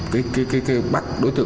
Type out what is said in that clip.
cái bắt đối tượng